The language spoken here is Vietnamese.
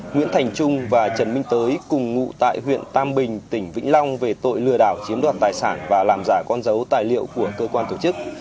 nguyễn thành trung và trần minh tới cùng ngụ tại huyện tam bình tỉnh vĩnh long về tội lừa đảo chiếm đoạt tài sản và làm giả con dấu tài liệu của cơ quan tổ chức